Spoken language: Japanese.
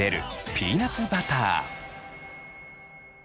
ピーナツバター！